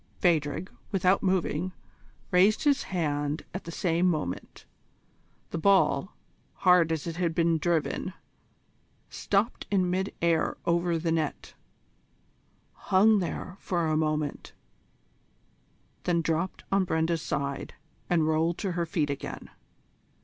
Phadrig, without moving, raised his hand at the same moment. The ball, hard as it had been driven, stopped in mid air over the net, hung there for a moment, then dropped on Brenda's side and rolled to her feet again.